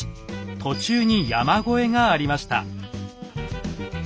途中に山越えがありました。